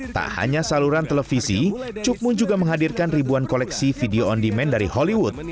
tak hanya saluran televisi cukmu juga menghadirkan ribuan koleksi video on demand dari hollywood